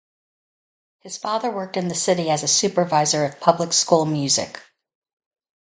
His father worked in the city as a supervisor of public school music.